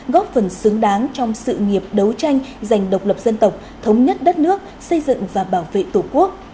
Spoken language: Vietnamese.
góp phần xứng đáng trong sự nghiệp đấu tranh giành độc lập dân tộc thống nhất đất nước xây dựng và bảo vệ tổ quốc